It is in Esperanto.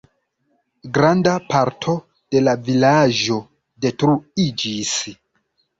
Granda parto de la vilaĝo detruiĝis.